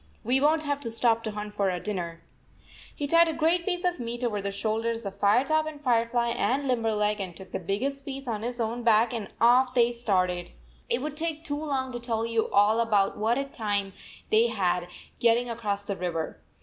We won t have to stop to hunt for our dinner." He tied a great piece of meat over the shoulders of Firetop and Firefly and Lim berleg, and took the biggest piece on his own back, and off they started. III It would take too long to tell you all about what a time they had getting across the river.